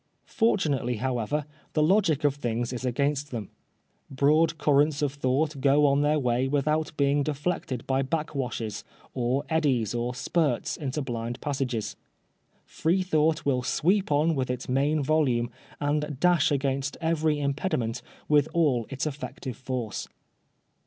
Fortunately, however, the logic of things is against them. Broad •currents of thought g[0 on their way without being deflected l>y backwashes, or eddies or spurts into blind passages. Free thought win sweep on with its main volume, and £sh against •every impediment with all its effective force."